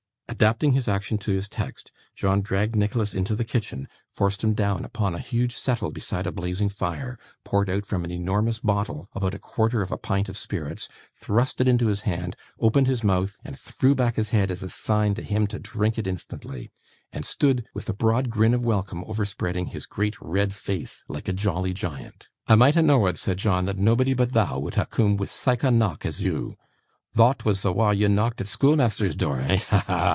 Adapting his action to his text, John dragged Nicholas into the kitchen, forced him down upon a huge settle beside a blazing fire, poured out from an enormous bottle about a quarter of a pint of spirits, thrust it into his hand, opened his mouth and threw back his head as a sign to him to drink it instantly, and stood with a broad grin of welcome overspreading his great red face like a jolly giant. 'I might ha' knowa'd,' said John, 'that nobody but thou would ha' coom wi' sike a knock as you. Thot was the wa' thou knocked at schoolmeasther's door, eh? Ha, ha, ha!